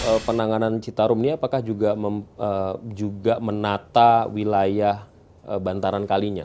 untuk penanganan citarum ini apakah juga menata wilayah bantaran kalinya